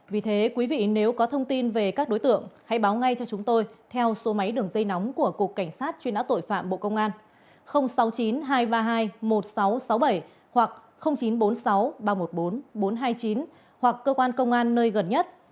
vì thế quý vị nếu có thông tin về các đối tượng hãy báo ngay cho chúng tôi theo số máy đường dây nóng của cục cảnh sát truy nã tội phạm bộ công an sáu mươi chín hai trăm ba mươi hai một nghìn sáu trăm sáu mươi bảy hoặc chín trăm bốn mươi sáu ba trăm một mươi bốn bốn trăm hai mươi chín hoặc cơ quan công an nơi gần nhất